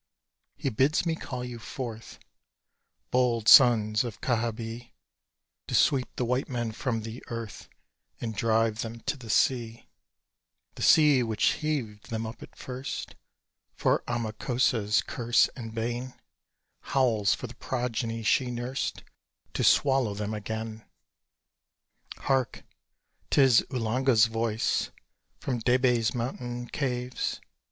He bids me call you forth, Bold sons of Káhabee, To sweep the white men from the earth, And drive them to the sea: The sea which heaved them up at first, For Amakósa's curse and bane, Howls for the progeny she nurst, To swallow them again. Hark! 'tis Uhlanga's voice From Debé's mountain caves!